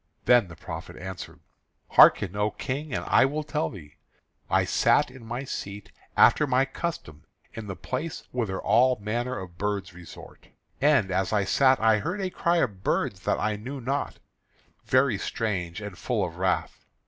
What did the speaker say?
Then the prophet answered: "Hearken, O King, and I will tell thee. I sat in my seat, after my custom, in the place whither all manner of birds resort. And as I sat I heard a cry of birds that I knew not, very strange and full of wrath.